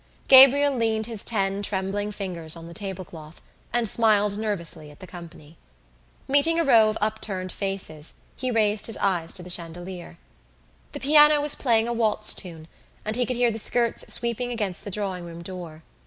Gabriel leaned his ten trembling fingers on the tablecloth and smiled nervously at the company. Meeting a row of upturned faces he raised his eyes to the chandelier. The piano was playing a waltz tune and he could hear the skirts sweeping against the drawing room door.